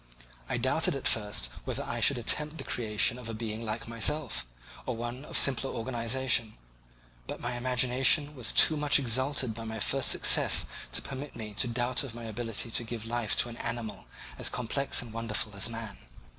I doubted at first whether I should attempt the creation of a being like myself, or one of simpler organization; but my imagination was too much exalted by my first success to permit me to doubt of my ability to give life to an animal as complex and wonderful as man.